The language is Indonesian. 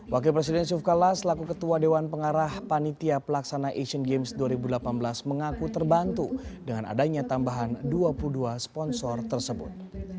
wakil presiden yusuf kalla selaku ketua dewan pengarah panitia pelaksana asian games dua ribu delapan belas mengaku terbantu dengan adanya tambahan dua puluh dua sponsor tersebut